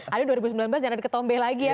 ada dua ribu sembilan belas jangan diketombe lagi ya